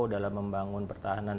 dalam membangun pertahanan